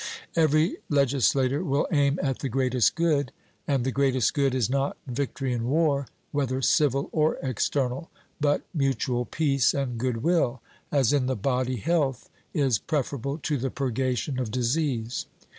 Every legislator will aim at the greatest good, and the greatest good is not victory in war, whether civil or external, but mutual peace and good will, as in the body health is preferable to the purgation of disease.